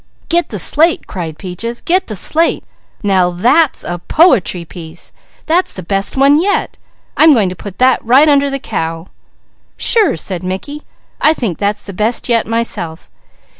_" "Get the slate!" cried Peaches. "Get the slate! Now that's a po'try piece. That's the best one yet. I'm going to put that right under the cow!" "Sure!" said Mickey. "I think that's the best yet myself.